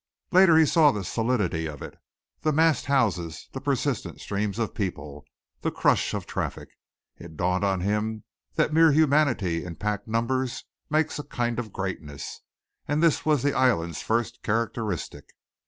Later when he saw the solidity of it, the massed houses, the persistent streams of people, the crush of traffic, it dawned on him that mere humanity in packed numbers makes a kind of greatness, and this was the island's first characteristic.